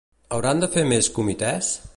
Hauran de fer més comitès?